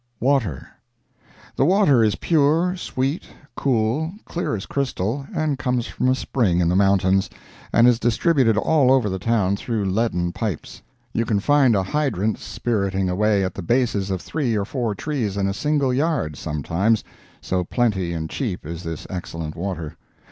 WATER The water is pure, sweet, cool, clear as crystal, and comes from a spring in the mountains, and is distributed all over the town through leaden pipes. You can find a hydrant spiriting away at the bases of three or four trees in a single yard, sometimes, so plenty and cheap is this excellent water.